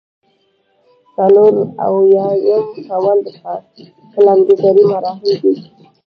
څلور اویایم سوال د پلانګذارۍ مراحل دي.